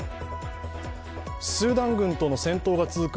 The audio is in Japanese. スーダン軍との戦闘が続く